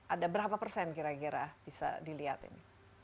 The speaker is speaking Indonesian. ada berapa persen kira kira bisa dilihat ini